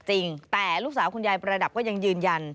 จริงแต่ลูกสาวคุณยายประดับก็ยังยืนยัน